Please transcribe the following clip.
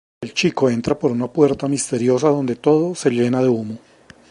El chico entra por una puerta misteriosa donde todo se llena de humo.